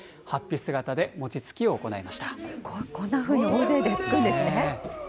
すごい、こんなふうに大勢でつくんですね。